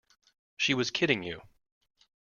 She was kidding you.